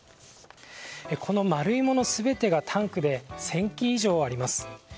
この丸い物全てがタンクで１０００基以上あります。